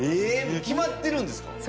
え決まってるんですか。